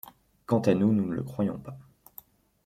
Quant à nous, nous ne le croyons pas.